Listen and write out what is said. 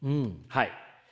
はい。